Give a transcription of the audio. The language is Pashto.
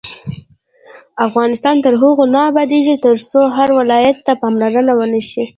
افغانستان تر هغو نه ابادیږي، ترڅو هر ولایت ته پاملرنه ونشي.